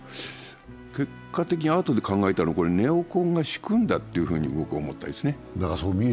結果的にあとで考えたら、ネオコンが仕組んだって僕は思ったんですね。